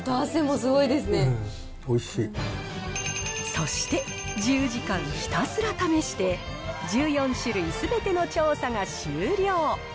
そして１０時間ひたすら試して、１４種類すべての調査が終了。